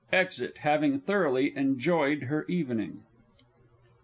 [_Exit, having thoroughly enjoyed her evening.